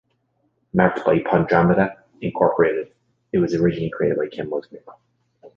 Marketed by Pandromeda Incorporated it was originally created by Ken Musgrave.